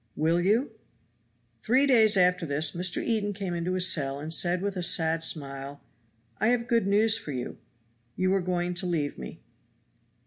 "Will you?" Three days after this Mr. Eden came into his cell and said with a sad smile, "I have good news for you; you are going to leave me.